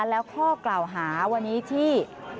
แล้วข้อกล่าวหาวันนี้ที่